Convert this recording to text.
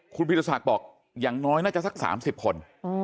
คุณผู้โปรดภัยบอกอย่างน้อยน่าจะสัก๓๐คน